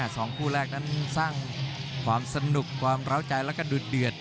สองคู่แรกนั้นสร้างความสนุกความร้าวใจแล้วก็ดูดเดือด